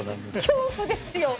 恐怖ですよ！